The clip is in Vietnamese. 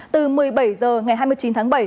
từ một mươi bảy h ngày hai mươi chín tháng bảy